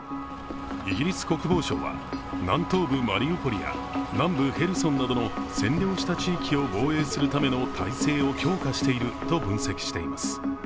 イギリス国防省は南東部マリウポリや南部ヘルソンなどの占領した地域を防衛するための態勢を強化していると分析しています。